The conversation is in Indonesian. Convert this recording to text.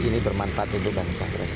ini bermanfaat untuk bangsa